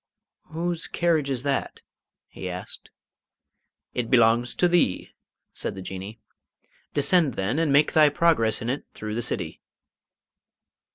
"Whose carriage is that?" he asked. "It belongs to thee," said the Jinnee; "descend then, and make thy progress in it through the City."